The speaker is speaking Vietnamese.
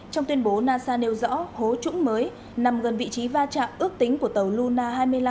trong tuyên bố nasa nêu rõ hố trũng mới nằm gần vị trí va chạm ước tính của tàu luna hai mươi năm